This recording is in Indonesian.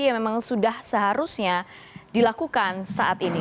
yang memang sudah seharusnya dilakukan saat ini